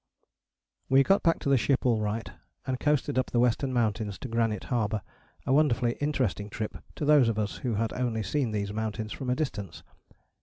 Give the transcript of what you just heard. We got back to the ship all right and coasted up the Western Mountains to Granite Harbour; a wonderfully interesting trip to those of us who had only seen these mountains from a distance.